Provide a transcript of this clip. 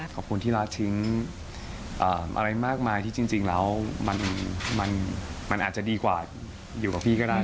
ขอบคุณที่รัฐทิ้งอะไรมากมายที่จริงแล้วมันอาจจะดีกว่าอยู่กับพี่ก็ได้